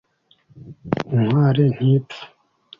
intwali ntipfa